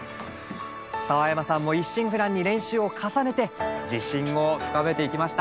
澤山さんも一心不乱に練習を重ねて自信を深めていきました。